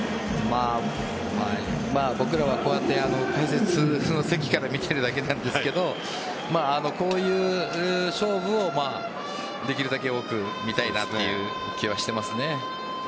僕らはこうやって解説の席から見ているだけなんですがこういう勝負をできるだけ多く見たいなという気はしてますね。